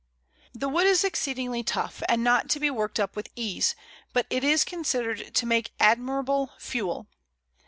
The wood is exceedingly tough, and not to be worked up with ease, but it is considered to make admirable fuel.